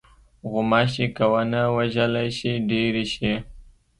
غوماشې که ونه وژلې شي، ډېرې شي.